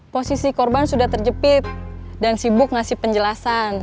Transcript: posisi korban sudah terjepit dan sibuk ngasih penjelasan